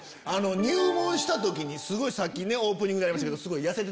入門した時にさっきオープニングでありましたけど。